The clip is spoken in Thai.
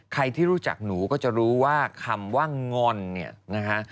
ใครที่รู้จักหนูก็จะรู้ว่าคำว่างอนเนี่ยนะคะ